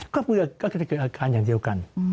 ก็ก็จะเกิดอาการอย่างเดียวกัน